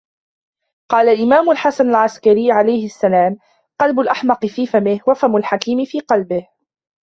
قالَ الإمامُ الْحَسَنِ الْعَسْكَري - عليه السلام -: قَلْبُ الاْحْمَقِ في فَمِهِ، وَفَمُ الْحَكيمِ في قَلْبِهِ.